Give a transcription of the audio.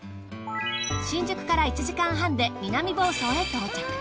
新宿から１時間半で南房総へ到着。